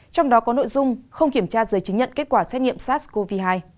trong đó có nội dung không kiểm tra giấy chứng nhận kết quả xét nghiệm sars cov hai